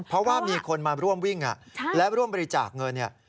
เพราะว่ามีคนมาร่วมวิ่งและร่วมบริจาคเงินเนี่ย